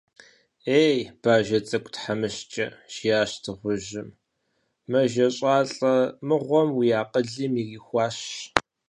Ей, бажэ цӀыкӀу тхьэмыщкӀэ, – жиӀащ дыгъужьым, – мэжэщӀалӀэ мыгъуэм уи акъылым урихуащ.